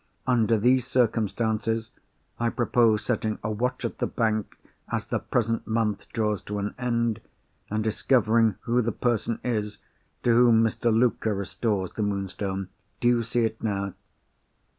Under these circumstances, I propose setting a watch at the bank, as the present month draws to an end, and discovering who the person is to whom Mr. Luker restores the Moonstone. Do you see it now?"